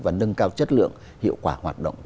và nâng cao chất lượng hiệu quả hoạt động